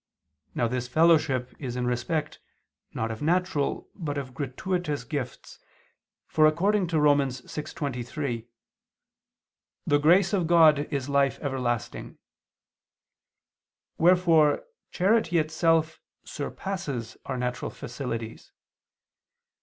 Now this fellowship is in respect, not of natural, but of gratuitous gifts, for, according to Rom. 6:23, "the grace of God is life everlasting": wherefore charity itself surpasses our natural facilities.